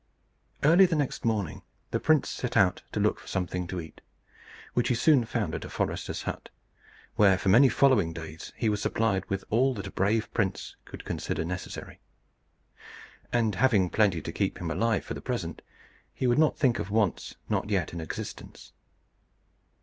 Early the next morning the prince set out to look for something to eat, which he soon found at a forester's hut, where for many following days he was supplied with all that a brave prince could consider necessary. And having plenty to keep him alive for the present, he would not think of wants not yet in existence.